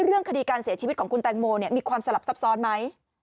เรื่องคดีการเสียชีวิตของคุณแตงโมมีความสลับซับซ้อนไหม